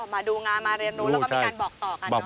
มาดูงานมาเรียนรู้แล้วก็มีการบอกต่อกันเนอ